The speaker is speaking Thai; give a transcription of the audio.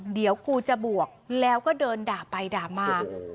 เดี๋ยวกูจะบวกแล้วก็เดินด่าไปด่ามา